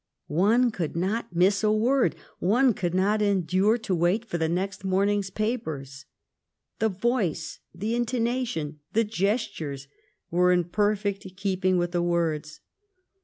One could not miss a word ; one could not endure to wait for the next morning s papers. The voice, the intonation, the gestures, were in perfect keep ing with the words.